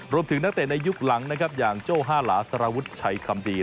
นักเตะในยุคหลังนะครับอย่างโจ้ห้าหลาสารวุฒิชัยคำดี